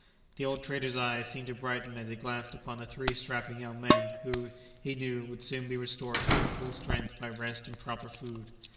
The old trader's eyes seemed to brighten as he glanced upon the three strapping young men who, he knew, would soon be restored to their full strength by rest and proper food.